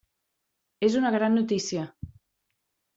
És una gran notícia.